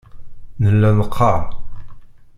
Nella neqqaṛ.